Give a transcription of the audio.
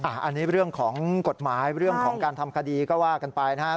อันนี้เรื่องของกฎหมายเรื่องของการทำคดีก็ว่ากันไปนะครับ